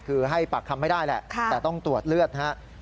คือให้ปากคำไม่ได้แหละแต่ต้องตรวจเลือดนะครับ